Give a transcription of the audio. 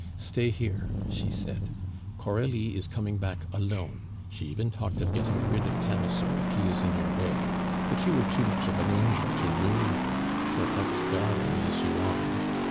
"Stay here," she said. "Coralie is coming back alone; she even talked of getting rid of Camusot if he is in your way; but you are too much of an angel to ruin her, her heart's darling as you are.